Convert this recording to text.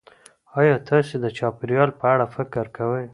ایا تاسې د چاپیریال په اړه فکر کوئ؟